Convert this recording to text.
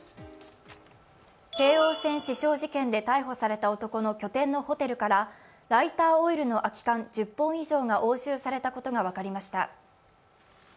京王線死傷事件で逮捕された男の拠点のホテルからライターオイルの空き缶１０本以上が押収されたことが分かりました。